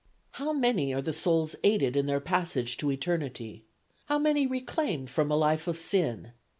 "How many are the souls aided in their passage to eternity! How many reclaimed from a life of sin!